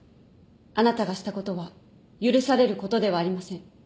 あなたがしたことは許されることではありません